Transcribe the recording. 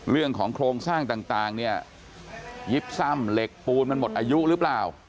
เรื่องของโครงสร้างต่างยิบทำเหล็กปูนมันหมดอายุหรือเปล่า